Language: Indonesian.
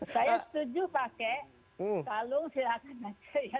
saya setuju pakai kalung silahkan saja